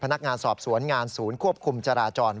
พนักงานสอบสวนงานศูนย์ควบคุมจราจร